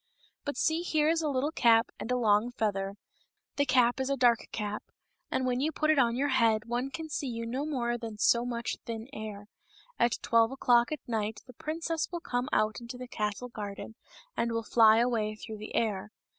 " But see, here is a little cap and a long feather — the cap is a dark cap, and when you put it on your head one can see you no more than so much thin air. At twelve o'clock at night the princess will come out into the castle garden and will fly away through the air.